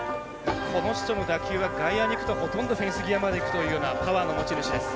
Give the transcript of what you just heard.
この人の打球は外野までいくとほとんどフェンス際までいくというようなパワーの持ち主です。